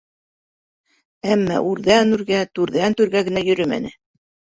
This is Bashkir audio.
Әммә үрҙән-үргә, түрҙән-түргә генә йөрөмәне.